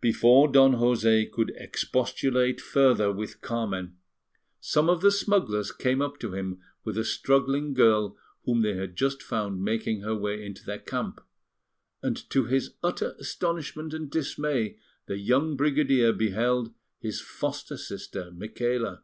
Before Don José could expostulate further with Carmen, some of the smugglers came up to him with a struggling girl whom they had just found making her way into their camp; and to his utter astonishment and dismay the young brigadier beheld his foster sister, Micaela.